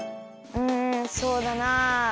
うんそうだなあ。